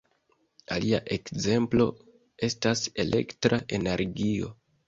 Alia ekzemplo estas elektra energio.